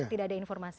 tidak ada informasi